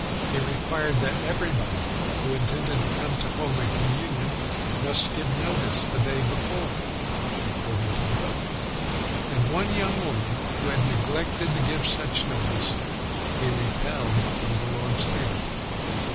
He required that everybody who intended to come to the Holy Communion must give notice the day before, according to the book. And one young woman who had neglected to give such notice he repelled from the Lord's Table.